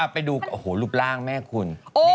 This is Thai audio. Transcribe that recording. ไปดูรูปร่างแม่คุณ